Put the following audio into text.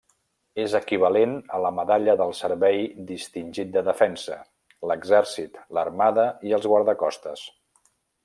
És equivalent a la Medalla del Servei Distingit de Defensa, l'Exèrcit, l'Armada i els Guardacostes.